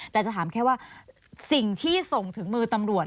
แต่จะถามแค่ว่าสิ่งที่ส่งถึงมือตำรวจ